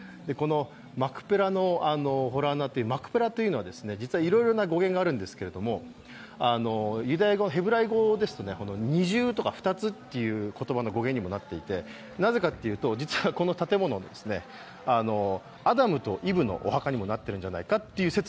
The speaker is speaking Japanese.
マクペラの洞穴という、マクペラというのは、実はいろいろな語源があるんですが、ユダヤ語はヘブライ語ですと、二重とか２つとかの語源になっていてなぜかというと、実はこの建物、アダムとイブのお墓にもなっているんじゃないかと。